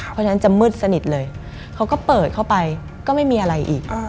เพราะฉะนั้นจะมืดสนิทเลยเขาก็เปิดเข้าไปก็ไม่มีอะไรอีก